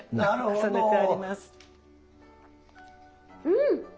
うん！